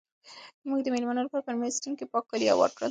موږ د مېلمنو لپاره په مېلمستون کې پاک کالي هوار کړل.